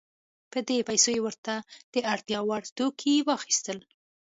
په دې پیسو یې ورته د اړتیا وړ توکي واخیستل.